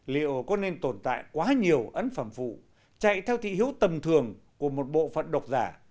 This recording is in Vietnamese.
liệu có nên tồn tại quá nhiều ấn phẩm phụ chạy theo thị hiếu tầm thường của một bộ phận độc giả